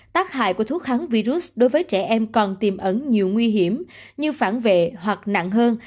tác hại của thuốc kháng virus đối với trẻ em còn tiềm ẩn nhiều nguy hiểm như phản vệ hoặc nặng hơn